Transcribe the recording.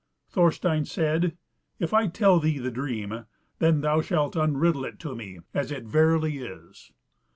Thorstein said, "If I tell thee the dream, then shalt thou unriddle it to me, as it verily is."